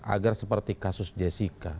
agar seperti kasus jessica